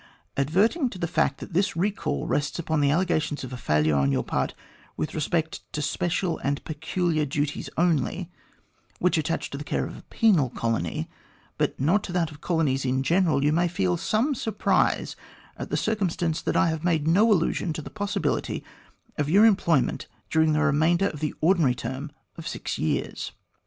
Adverting to the fact that this recall rests upon the allegation of a failure on your part with respect to special and peculiar duties only, which attach to the care of a penal colony, but not to that of colonies in general, you may feel some surprise at the circumstance that I have made no allusion to the possibility of your employment during the remainder of the ordinary term of six years.